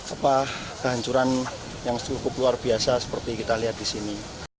apa kehancuran yang cukup luar biasa seperti kita lihat di sini